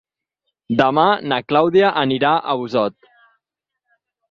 Demà na Clàudia anirà a Bossòst.